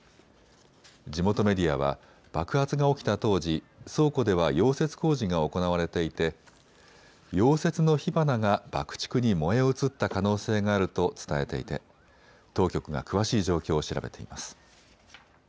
地元メディアは爆発が起きた当時、倉庫では溶接工事が行われていて溶接の火花が爆竹に燃え移った可能性があると伝えていて当局が詳しい状況を調べています。